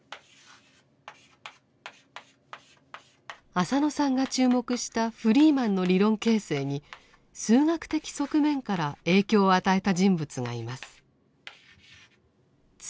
浅野さんが注目したフリーマンの理論形成に数学的側面から影響を与えた人物がいます。